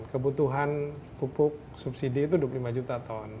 kebutuhan pupuk subsidi itu dua puluh lima juta ton